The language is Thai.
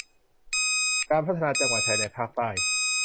การพัฒนาจังหวัดชายแดนภาคใต้